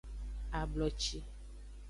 Abloci.